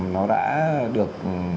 nó đã được